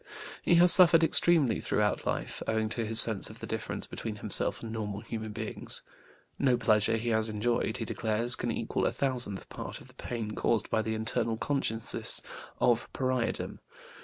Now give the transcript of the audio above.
He has suffered extremely throughout life, owing to his sense of the difference between himself and normal human beings. No pleasure he has enjoyed, he declares, can equal a thousandth part of the pain caused by the internal consciousness of pariahdom.